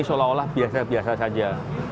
seolah olah biasa biasa saja